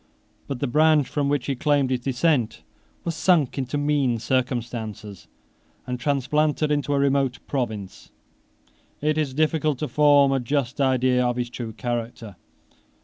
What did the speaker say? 16 But the branch from which he claimed his descent was sunk into mean circumstances, and transplanted into a remote province. It is difficult to form a just idea of his true character.